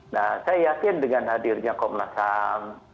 nah saya yakin dengan hadirnya komnas ham